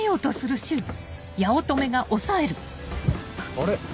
あれ？